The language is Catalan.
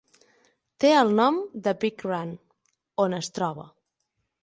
Té el nom de Big Run, on es troba.